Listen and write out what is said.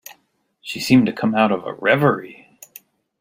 She seemed to come out of a reverie.